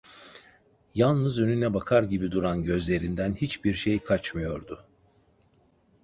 Yalnız önüne bakar gibi duran gözlerinden hiçbir şey kaçmıyordu.